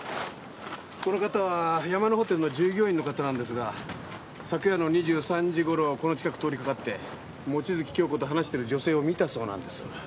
この方は山のホテルの従業員の方なんですが昨夜の２３時頃この近く通りかかって望月京子と話している女性を見たそうなんです。